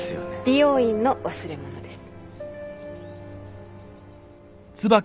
美容院の忘れ物です。